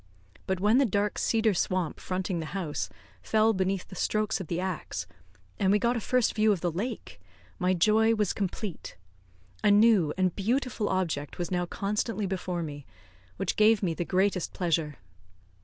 But when the dark cedar swamp fronting the house fell beneath the strokes of the axe, and we got a first view of the lake, my joy was complete; a new and beautiful object was now constantly before me, which gave me the greatest pleasure.